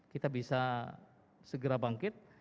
kita bisa segera bangkit